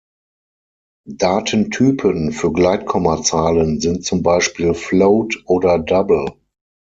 Datentypen für Gleitkommazahlen sind zum Beispiel Float oder Double.